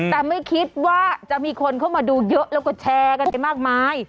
แต่ไม่คิดว่าจะมีคนเข้ามาดูเยอะแล้วก็แชร์กันไปมากมาย